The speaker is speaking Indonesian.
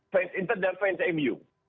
fans inter dan fans indonesia